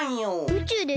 宇宙です。